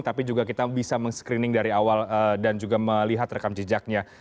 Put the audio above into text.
tapi juga kita bisa meng screening dari awal dan juga melihat rekam jejaknya